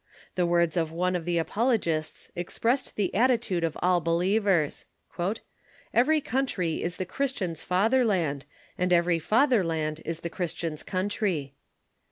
The words of one of the apologists expressed the attitude of all believers :" Every country is the Christian's fatherland, and every father land is tlie Christian's country."